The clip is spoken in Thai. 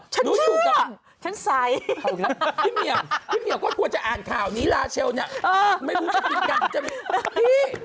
ฉันเชื่อฉันใส่พี่เมียวก็กลัวจะอ่านข่าวนี้ลาเชลน่ะไม่รู้จะกินกัน